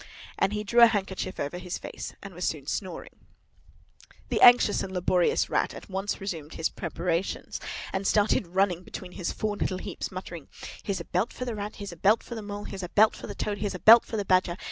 And he drew a handkerchief over his face and was soon snoring. The anxious and laborious Rat at once resumed his preparations, and started running between his four little heaps, muttering, "Here's a belt for the Rat, here's a belt for the Mole, here's a belt for the Toad, here's a belt for the Badger!"